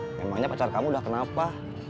memangnya pacar kamu udah kenapa